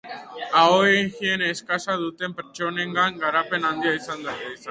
Aho-higiene eskasa duten pertsonengan garapen handia izan dezake.